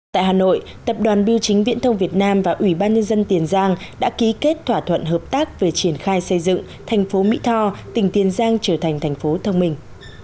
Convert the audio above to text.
tại hà nội tập đoàn biêu chính viễn thông việt nam và ủy ban nhân dân tiền giang đã ký kết thỏa thuận hợp tác về triển khai xây dựng thành phố mỹ tho tỉnh tiền giang trở thành thành phố thông minh